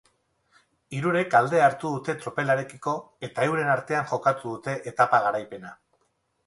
Hirurek aldea hartu dute tropelarekiko eta euren artean jokatu dute etapa garaipena.